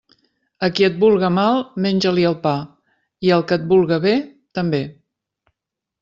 A qui et vulga mal, menja-li el pa, i al que et vulga bé, també.